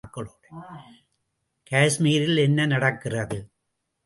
காஷ்மீரில் என்ன நடக்கிறது?